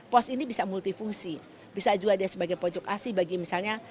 pos ini bisa multifungsi bisa juga dia sebagai pojok asi bagi misalnya